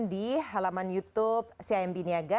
di halaman youtube cimb niaga